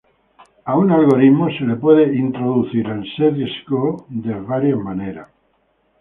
El sesgo puede ser introducido a un algoritmo de varias maneras.